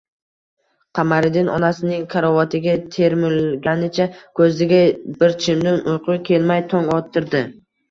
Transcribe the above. Qamariddin onasining karavotiga termilganicha, ko‘ziga bir chimdim uyqu kelmay tong ottirdi